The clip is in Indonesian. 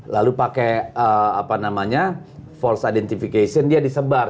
lalu pakai false identification dia disebar